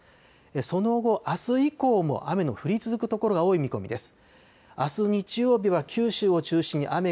その後あす以降も雨の降り続く所が多い見込みです。